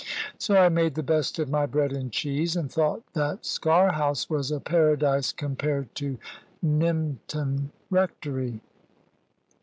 So I made the best of my bread and cheese, and thought that Sker House was a paradise compared to Nympton Rectory.